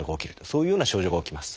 そういうような症状が起きます。